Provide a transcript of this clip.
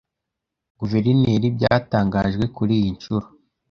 Guverineri byatangajwe kuri iyi nshuro,